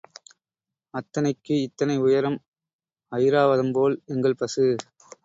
அத்தனைக்கு இத்தனை உயரம், ஐராவதம் போல் எங்கள் பசு.